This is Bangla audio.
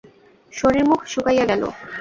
শশীর মুখ শুকাইয়া গেল।